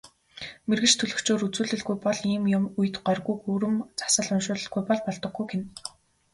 Мэргэч төлгөчөөр үзүүлэлгүй бол ийм үед горьгүй, гүрэм засал уншуулалгүй бол болдоггүй гэнэ.